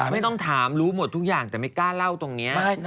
ไม่ต้องถามรู้หมดทุกอย่างแต่ไม่กล้าเล่าตรงนี้